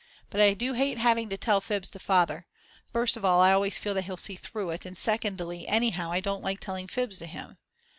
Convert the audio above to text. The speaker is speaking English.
But I do hate having to tell fibs to Father. First of all I always feel that he'll see through it, and secondly anyhow I don't like telling fibs to him.